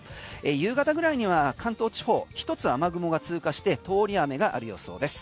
夕方ぐらいには関東地方一つ雨雲が通過して通り雨がある予想です。